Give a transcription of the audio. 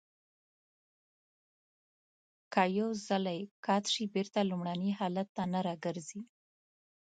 که یو ځلی قات شي بېرته لومړني حالت ته نه را گرځي.